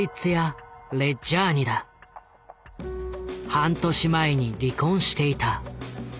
半年前に離婚していた。